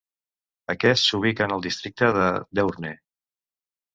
Aquest s'ubica en el districte de Deurne.